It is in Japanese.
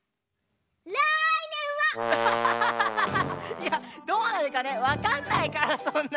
いやどうなるかねわかんないからそんな。